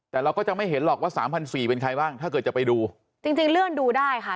แต่เราก็จะไม่เห็นหรอกว่าสามพันสี่เป็นใครบ้างถ้าเกิดจะไปดูจริงจริงเลื่อนดูได้ค่ะ